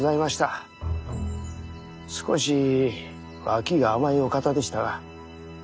少し脇が甘いお方でしたが。